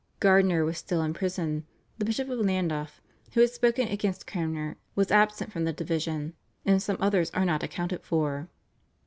Gardiner was still in prison, the Bishop of Llandaff, who had spoken against Cranmer, was absent from the division, and some others are not accounted for.